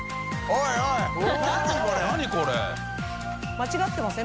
間違ってません？